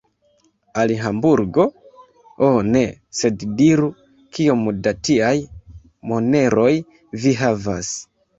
Al Hamburgo? Ho ne; sed diru, kiom da tiaj moneroj vi havas.